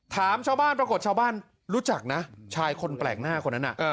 ถามชาวบ้านปรากฏชาวบ้านรู้จักนะชายคนแปลกหน้าคนนั้นน่ะ